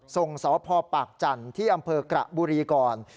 ส่งสพปากจันทร์ที่อำเภอกระบุรีก่อน